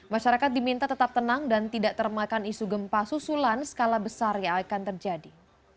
masyarakat diminta tetap tenang dan tidak termakan isu gempa susulan skala besar yang akan terjadi